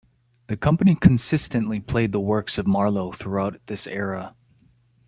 The company consistently played the works of Marlowe throughout this era.